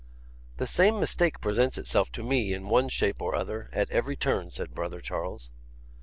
'The same mistake presents itself to me, in one shape or other, at every turn,' said brother Charles.